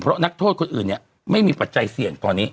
เพราะนักโทษคนอื่นเนี่ยไม่มีปัจจัยเสี่ยงตอนนี้